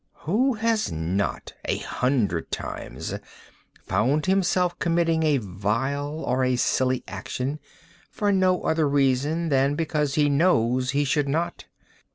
Who has not, a hundred times, found himself committing a vile or a silly action, for no other reason than because he knows he should not?